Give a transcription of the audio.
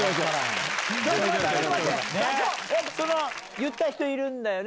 言った人いるんだよね